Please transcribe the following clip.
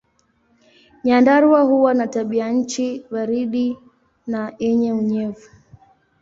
Nyandarua huwa na tabianchi baridi na yenye unyevu.